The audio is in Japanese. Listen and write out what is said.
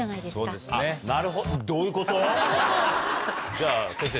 じゃあ先生